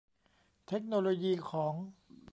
เทคโนโลยีของ